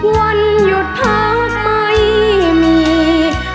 วันหยุดพักไม่มี